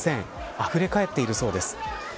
あふれかえっているそうです。